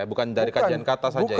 bukan dari kajian kata saja ya